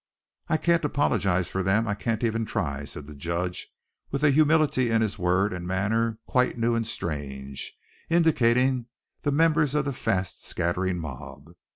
"I can't apologize for them, I can't even try," said the judge, with a humility in his word and manner quite new and strange, indicating the members of the fast scattering mob.